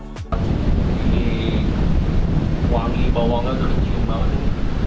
ini wangi bawangan tercium banget ini